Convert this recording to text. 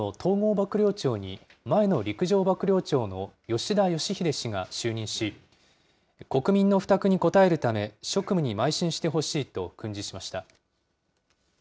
幕僚長に、前の陸上幕僚長の吉田圭秀氏が就任し、国民の負託に応えるため職務にまい進してほしいと訓示ました。